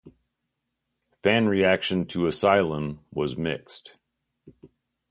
Fan reaction to "Asylum" was mixed.